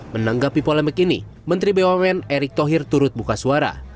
menanggapi polemik ini menteri bumn erick thohir turut buka suara